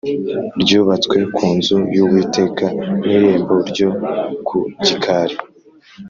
ryubatswe ku nzu y Uwiteka n irembo ryo ku gikari